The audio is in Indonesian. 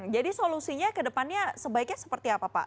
jadi solusinya kedepannya sebaiknya seperti apa pak